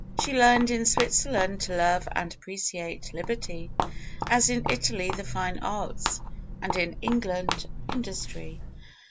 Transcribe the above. She learned in Switzerland to love and appreciate liberty, as in Italy the fine arts, and in England industry.